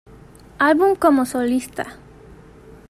Album como solista